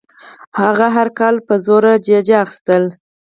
هغه هر کال په زوره ججه اخیستله.